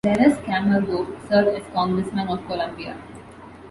Lleras Camargo served as congressman of Colombia.